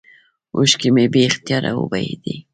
اوښکې مې بې اختياره وبهېدې.